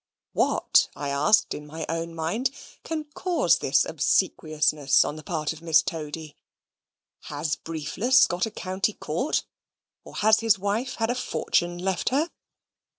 What, I asked in my own mind, can cause this obsequiousness on the part of Miss Toady; has Briefless got a county court, or has his wife had a fortune left her?